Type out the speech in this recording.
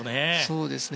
そうですね。